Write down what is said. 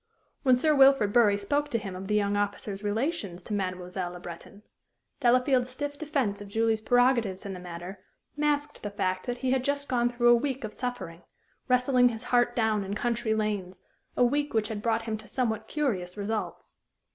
When Sir Wilfrid Bury spoke to him of the young officer's relations to Mademoiselle Le Breton, Delafield's stiff defence of Julie's prerogatives in the matter masked the fact that he had just gone through a week of suffering, wrestling his heart down in country lanes; a week which had brought him to somewhat curious results.